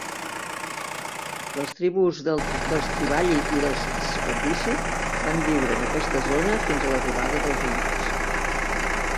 Les tribus dels Triballi i els Scordisci van viure en aquesta zona fins l'arribada dels romans.